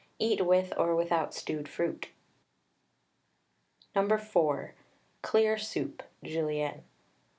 Eat with or without stewed fruit. No. 4. CLEAR SOUP (Julienne).